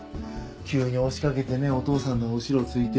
急に押しかけてねお父さんの後ろついて。